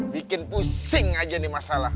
bikin pusing aja nih masalah